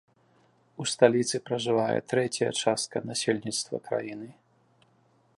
У сталіцы пражывае трэцяя частка насельніцтва краіны.